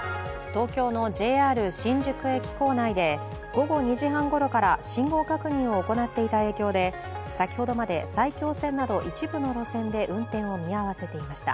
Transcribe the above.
東京のＪＲ新宿駅構内で午後２時半ごろから信号確認を行っていた影響で先ほどまで埼京線など一部の路線で運転を見合わせていました。